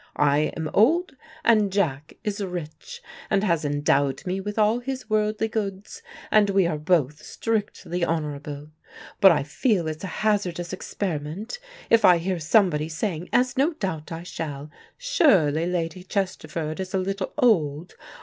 I am old and Jack is rich, and has endowed me with all his worldly goods, and we are both strictly honorable. But I feel it's a hazardous experiment. If I hear somebody saying, as no doubt I shall, 'Surely, Lady Chesterford is a little old?'